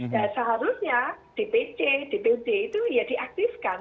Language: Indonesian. dan seharusnya dpc dpd itu ya diaktifkan